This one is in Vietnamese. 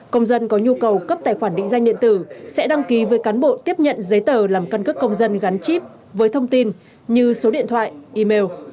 công dân có nhu cầu cấp tài khoản định danh điện tử sẽ đăng ký với cán bộ tiếp nhận giấy tờ làm căn cước công dân gắn chip với thông tin như số điện thoại email